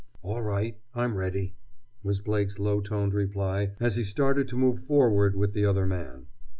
"All right! I'm ready!" was Blake's low toned reply as he started to move forward with the other man.